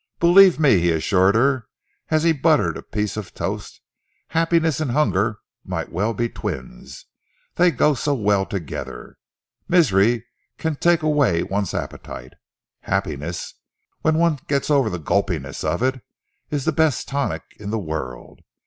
"Believe me," he assured her, as he buttered a piece of toast, "happiness and hunger might well be twins. They go so well together. Misery can take away one's appetite. Happiness, when one gets over the gulpiness of it, is the best tonic in the world.